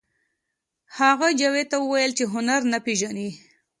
هغه جاوید ته وویل چې هنر نه پېژنئ